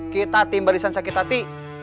kita tim barisan sakit hati